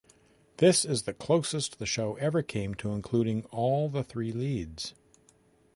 This is the closest the show ever came to including all the three leads.